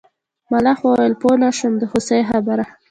ملخ وویل پوه نه شوم د هوسۍ خبره.